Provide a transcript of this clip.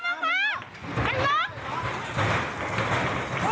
ไล่ได้ยังไง